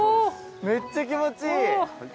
めっちゃ気持ちいい！